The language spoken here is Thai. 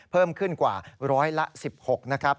เพิ่มขึ้นกว่าร้อยละ๑๖นะครับ